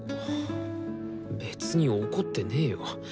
別に怒ってねよ。